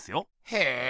へえ